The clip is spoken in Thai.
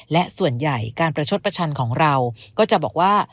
และส่วนใหญ่การประชดประชันของเราก็จะบอกว่า